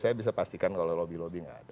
jadi saya pastikan kalau lobi lobi enggak ada